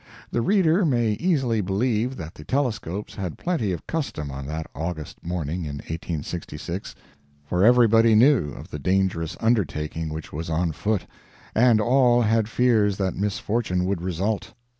The reader may easily believe that the telescopes had plenty of custom on that August morning in 1866, for everybody knew of the dangerous undertaking which was on foot, and all had fears that misfortune would result.